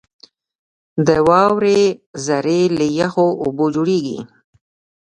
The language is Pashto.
• د واورې ذرې له یخو اوبو جوړېږي.